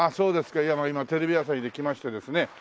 ああそ今テレビ朝日で来ましてですね